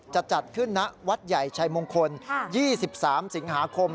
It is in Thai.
จะจัดขึ้นณวัดใหญ่ชัยมงคล๒๓สิงหาคม